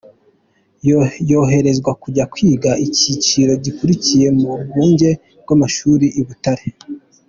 Yoherezwa kujya kwiga icyiciro gikurikiyeho mu rwunge rw’amashuri i Butare.